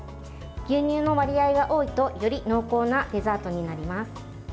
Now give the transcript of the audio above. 牛乳の割合が多いとより濃厚なデザートになります。